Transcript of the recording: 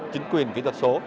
chính quyền kỹ thuật số